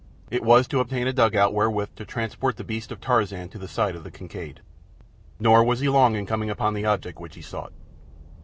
It was to obtain a dugout wherewith to transport the beasts of Tarzan to the side of the Kincaid. Nor was he long in coming upon the object which he sought.